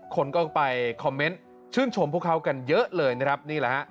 คนก็ไปคอมเมนต์ชื่นชมพวกเขากันเยอะเลยนะครับนี่แหละฮะ